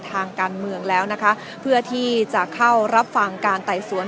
ทางการเมืองแล้วนะคะเพื่อที่จะเข้ารับฟังการไต่สวน